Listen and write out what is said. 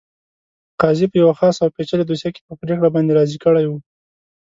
قاضي په یوه خاصه او پېچلې دوسیه کې په پرېکړه باندې راضي کړی وو.